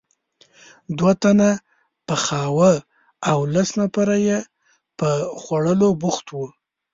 دوه تنه پخاوه او لس نفره یې په خوړلو بوخت وو.